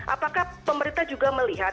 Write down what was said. apakah pemerintah juga melihat